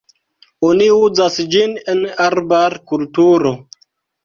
Oni uzas ĝin en arbar-kulturo.